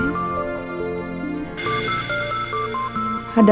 aku mau ke rumah